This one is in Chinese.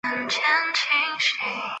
王寻被王莽封为丕进侯。